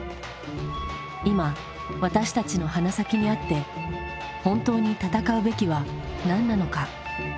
今私たちの鼻先にあって本当に戦うべきは何なのか。